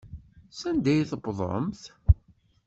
Sanda ay tewwḍemt?